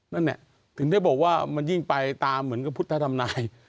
นั่นแหละถึงได้บอกว่ามันยิ่งไปตามเหมือนกับพุทธธรรมนาย